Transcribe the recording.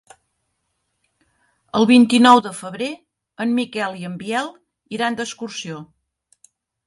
El vint-i-nou de febrer en Miquel i en Biel iran d'excursió.